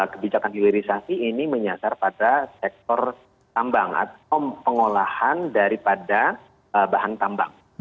kebijakan hilirisasi ini menyasar pada sektor tambang atau pengolahan daripada bahan tambang